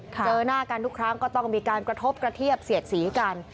เจอหน้ากันทุกครั้งก็ต้องมีการกระทบกระเทียบเสียดสีกัน